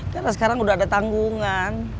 karena sekarang udah ada tanggungan